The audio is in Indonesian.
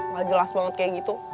gak jelas banget kayak gitu